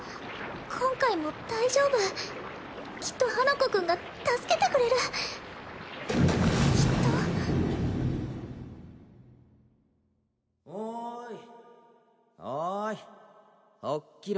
今回も大丈夫きっと花子くんが助けてくれるきっとおいおい起っきろ